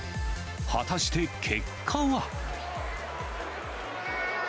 果たして結果は。